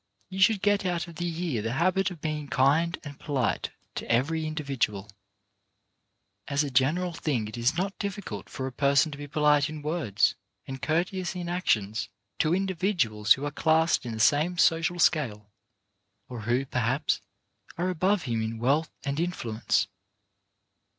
You should get out of the year the habit of being kind and polite to every individual. As a general thing it is not difficult for a person to be polite in words and courteous in actions to indi viduals who are classed in the same social scale, or who, perhaps, are above him in wealth and in fluence.